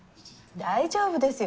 大丈夫ですよ。